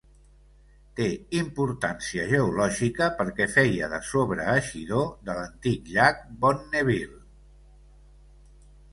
Té importància geològica perquè feia de sobreeixidor de l'antic llac Bonneville.